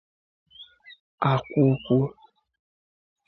Akwaukwu